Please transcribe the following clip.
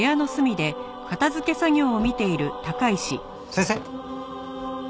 先生？